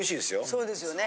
そうですね。